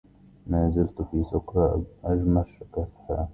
ما زلت في سكري أجمش كفها